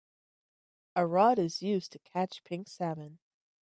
A rod is used to catch pink salmon.